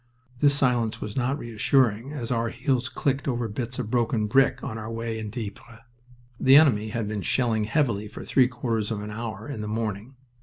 This silence was not reassuring, as our heels clicked over bits of broken brick on our way into Ypres. The enemy had been shelling heavily for three quarters of an hour in the morning.